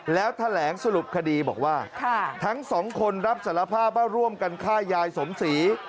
แล้วแถลงสรุปคดีบอกว่าทั้งสองคนรับสารภาพว่าร่วมกันฆ่ายายสมศรี